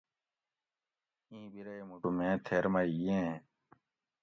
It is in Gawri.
ایں بیرے مُٹو میں تھیر مئ ییں